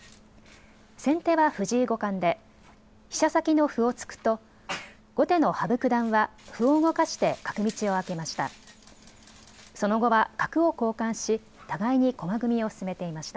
先手は藤井五冠で飛車先の歩を突くと後手の羽生九段は歩を動かして角道を開けました。